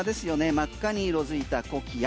真っ赤に色付いたコキア。